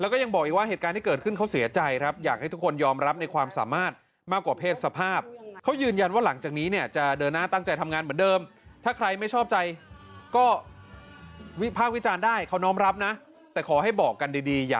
ไม่ว่าจะเป็นเพศไหนเขาก็เป็นมนุษย์เหมือนคุณแล้วก็เขามีศักดิ์ศรี